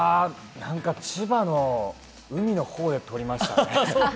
何か千葉の海のほうで撮りました。